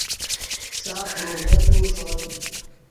ساف دروڤدتو ݰوت